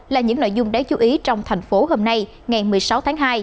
là những nội dung đáng chú ý trong thành phố hôm nay ngày một mươi sáu tháng hai